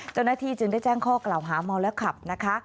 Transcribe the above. เจ้าหน้าที่จึงได้แจ้งข้อกล่าวหาเมาและขับนะคะ